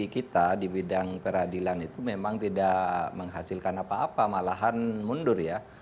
kita di bidang peradilan itu memang tidak menghasilkan apa apa malahan mundur ya